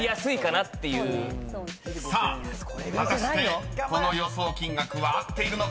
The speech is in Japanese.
［さあ果たしてこの予想金額は合っているのか？］